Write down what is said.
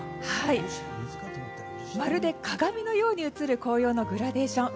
まるで鏡のように映る紅葉のグラデーション。